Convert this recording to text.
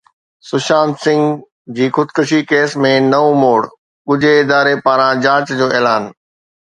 سشانت سنگهه جي خودڪشي ڪيس ۾ نئون موڙ، ڳجهي اداري پاران جاچ جو اعلان